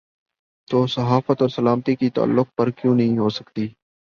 تو صحافت اور سلامتی کے تعلق پر کیوں نہیں ہو سکتی؟